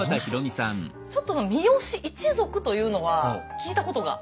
ちょっと三好一族というのは聞いたことがあって。